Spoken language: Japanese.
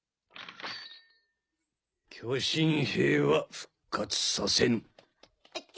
巨神兵は復活させぬ。